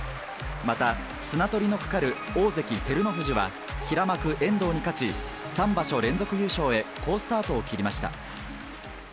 また、綱取りのかかる大関・照ノ富士は、平幕・遠藤に勝ち、３場所連続優勝へ、好スタートを切りました。